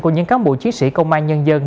của những cán bộ chiến sĩ công an nhân dân